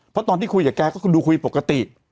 เพราะตอนที่คุยกับแกก็คือดูคุยปกติ